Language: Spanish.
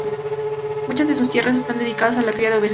Muchas de sus tierras están dedicadas a la cría de ovejas.